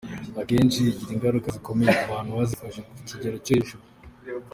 Akenshi igira ingaruka zikomeye ku muntu wazifashe ku kigero cyo hejuru.